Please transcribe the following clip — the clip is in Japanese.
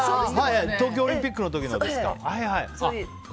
東京オリンピックの時のですか。